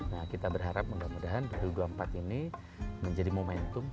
nah kita berharap mudah mudahan dua ribu dua puluh empat ini menjadi momentum